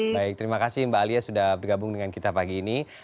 baik terima kasih mbak alia sudah bergabung dengan kita pagi ini